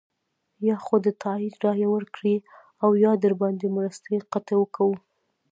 یا خو د تایید رایه ورکړئ او یا درباندې مرستې قطع کوو.